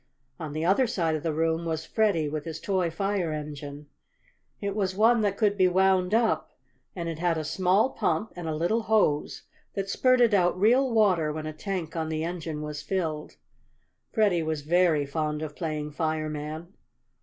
On the other side of the room was Freddie with his toy fire engine. It was one that could be wound up, and it had a small pump and a little hose that spurted out real water when a tank on the engine was filled. Freddie was very fond of playing fireman.